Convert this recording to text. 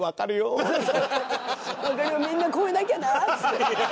みんな越えなきゃな」っつって。